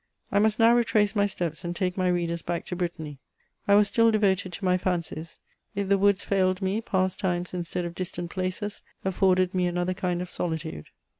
I must now retrace my steps and take my readers back to Brittany. I was still devoted to my fancies : if the woods failed me, past times instead of distant places afforded me another kind of solitude.